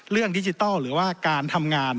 เรื่องดิจิทัลหรือว่าการทำงาน